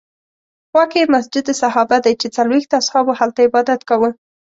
خوا کې یې مسجد صحابه دی چې څلوېښت اصحابو هلته عبادت کاوه.